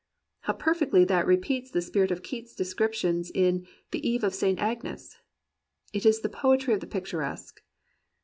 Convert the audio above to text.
'* How perfectly that repeats the spirit of Keats 's descriptions in "The Eve of St. Agnes" ! It is the poetry of the picturesque.